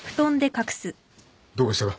どうかしたか？